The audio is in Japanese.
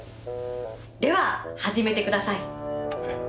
では始めてください。